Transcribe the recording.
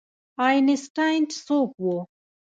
آینسټاین څوک و؟